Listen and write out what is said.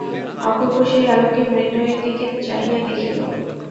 অপূর্ব সেই আলোকে মৃন্ময়ীর দিকে চাহিয়া দেখিল।